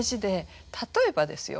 例えばですよ